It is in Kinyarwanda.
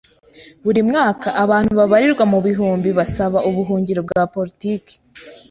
Buri mwaka abantu babarirwa mu bihumbi basaba ubuhungiro bwa politiki.